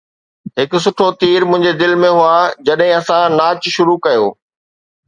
هڪ سئو تير منهنجي دل ۾ هئا جڏهن اسان ناچ شروع ڪيو